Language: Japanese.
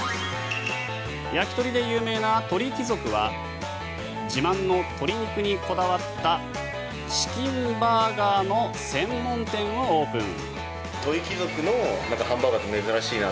焼き鳥で有名な鳥貴族は自慢の鶏肉にこだわったチキンバーガーの専門店をオープン。